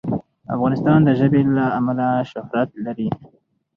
افغانستان د ژبې له امله شهرت لري.